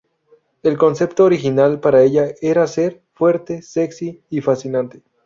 El concepto original para ella era ser fuerte, sexy y "fascinante".